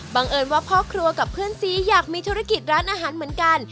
เอิญว่าพ่อครัวกับเพื่อนซีอยากมีธุรกิจร้านอาหารเหมือนกัน